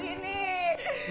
gimana sih ini